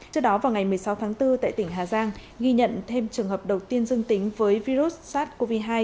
trước đó vào ngày một mươi sáu tháng bốn tại tỉnh hà giang ghi nhận thêm trường hợp đầu tiên dương tính với virus sars cov hai